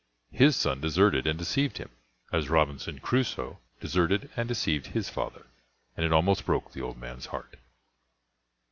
His son deserted and deceived him, as Robinson Crusoe deserted and deceived his father, and it almost broke the old man's heart.